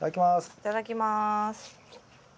いただきます。